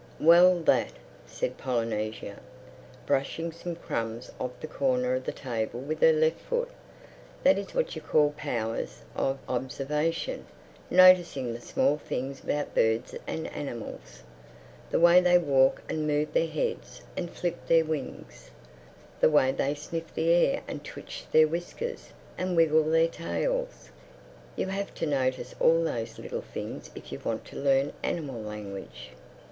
"Well that," said Polynesia, brushing some crumbs off the corner of the table with her left foot—"that is what you call powers of observation—noticing the small things about birds and animals: the way they walk and move their heads and flip their wings; the way they sniff the air and twitch their whiskers and wiggle their tails. You have to notice all those little things if you want to learn animal language.